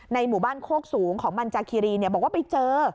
หมู่บ้านโคกสูงของมันจากคีรีบอกว่าไปเจอ